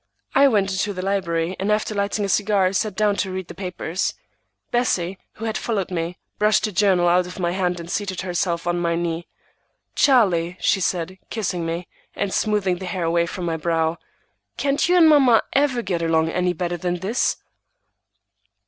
I went into the library, and after lighting a cigar, sat down to read the papers. Bessie, who had followed me, brushed the journal out of my hand and seated herself on my knee. "Charlie," she said, kissing me, and smoothing the hair away from my brow, "can't you and mamma ever get along any better than this?"